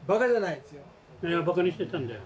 いやバカにしてたんだよ。